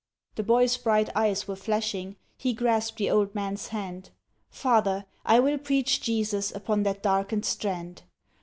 The boy's bright eyes were flashing, He grasped the old man's hand,— "Father, I will preach Jesus Upon that darkened strand.